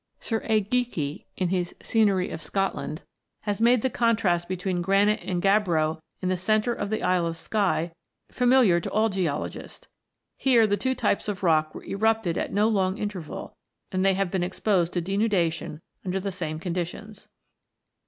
Sir A. Geikie, in his " Scenery of Scotland," has made the contrast between granite and gabbro in the centre of the Isle of Skye familiar to all geologists. Here the two types of rock were erupted at no long interval, and they have been exposed to denudation under the same conditions.